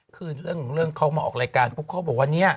คือเรื่องเขามาออกรายการปุ๊บเขาบอกว่าเนี่ย